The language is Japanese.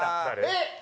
えっ！